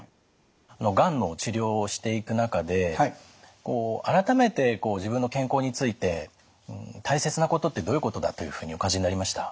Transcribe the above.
がんの治療をしていく中で改めて自分の健康について大切なことってどういうことだというふうにお感じになりました？